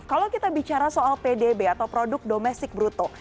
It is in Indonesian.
kalau kita bicara soal pdb atau produk domestik bruto